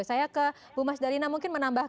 saya ke bu mas dalina mungkin menambah